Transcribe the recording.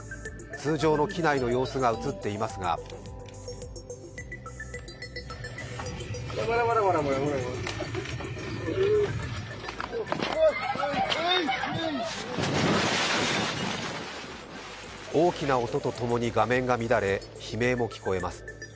通常の機内の様子が映っていますが大きな音とともに画面が乱れ悲鳴も聞こえます。